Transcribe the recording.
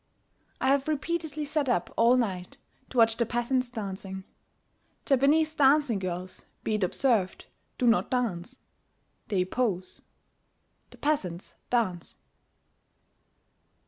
I have repeatedly sat up all night to watch the peasants dancing. Japanese dancing girls, be it observed, do not dance: they pose. The peasants dance.